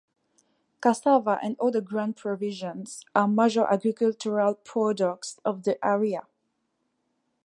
Cassava and other ground provisions are major agricultural products of the area.